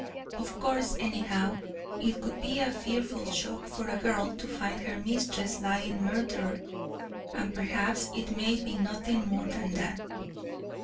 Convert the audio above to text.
Of course, anyhow, it would be a fearful shock for a girl to find her mistress lying murdered, and perhaps it may be nothing more than that."